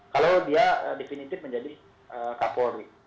kalau dia definitif menjadi kapolri